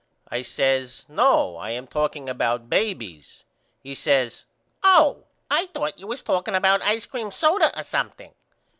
I says No I am talking about babys. He says Oh I thought you was talking about ice cream soda or something.